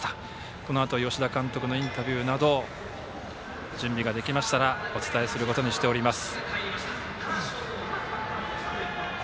このあと吉田監督のインタビューなど準備ができましたらお伝えすることにしております。